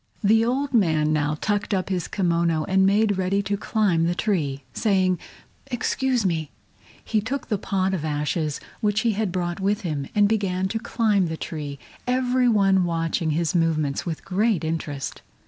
The old man now tucked up his kimono and made ready to climb the tree. Saying "Excuse me," he took the pot of ashes which he had brought with him, and began to climb the tree, every one watching his movements with great interest.